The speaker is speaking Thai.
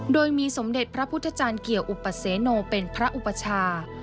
โดยมีสมเด็จพระพุทธจารย์เกี่ยวอุปเสโนเป็นพระอุปชา